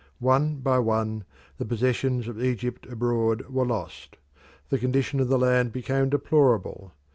One by one the possessions of Egypt abroad were lost. The condition of the land became deplorable.